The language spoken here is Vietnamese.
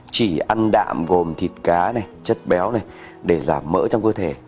chỉ ăn đạm gồm thịt cá chất béo để giảm mỡ trong cơ thể